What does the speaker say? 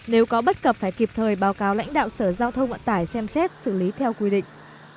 nếu có bất cập phải kịp thời báo cáo lãnh đạo sở giao thông ngoại tải xem xét xử lý theo quy định